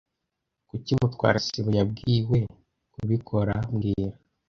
Kuki Mutwara sibo yabwiwe kubikora mbwira